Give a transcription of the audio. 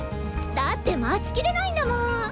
だって待ちきれないんだもん。